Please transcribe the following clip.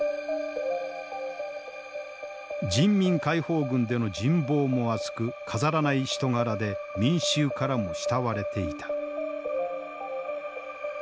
人民解放軍での人望も厚く飾らない人柄で民衆からも慕われていた。